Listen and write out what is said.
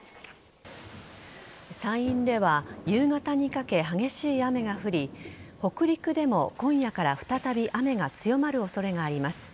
山陰では夕方にかけ激しい雨が降り北陸でも今夜から再び雨が強まる恐れがあります。